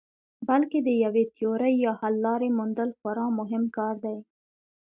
بلکې د یوې تیورۍ یا حللارې موندل خورا مهم کار دی.